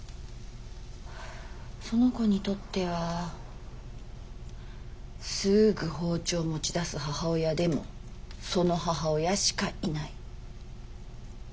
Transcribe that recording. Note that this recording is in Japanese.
その子にとってはすぐ包丁を持ち出す母親でもその母親しかいない。